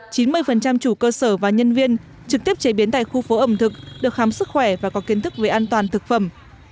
chín mươi chủ cơ sở và nhân viên trực tiếp chế biến tại khu phố ẩm thực được khám sức khỏe và có kiến thức về an toàn thực phẩm